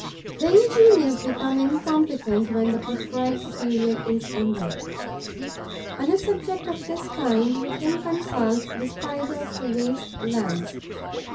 The ingenious become incompetent when the prescribed period is ended. On a subject of this kind, we can consult the Spider of the waste lands.